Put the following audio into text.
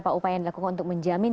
apa upaya yang dilakukan untuk menjamin